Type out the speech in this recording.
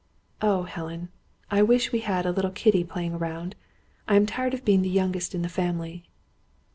Oh, Helen, I wish we had a little kiddie playing around! I am tired of being the youngest of the family."